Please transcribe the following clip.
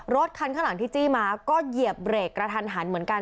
รถคันข้างหลังที่จี้มาก็เหยียบเบรกกระทันหันเหมือนกัน